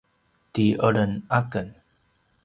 ti eleng aken